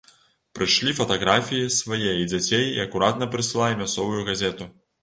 Прышлі фатаграфіі свае і дзяцей і акуратна прысылай мясцовую газету.